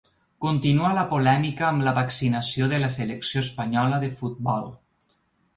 Continua la polèmica amb la vaccinació de la selecció espanyola de futbol.